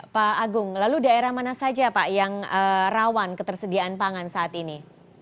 pak agung lalu daerah mana saja pak yang rawan ketersediaan pangan saat ini